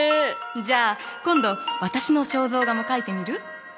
じゃあ今度私の肖像画も描いてみる？